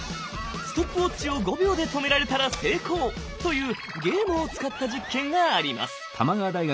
ストップウォッチを５秒で止められたら成功というゲームを使った実験があります。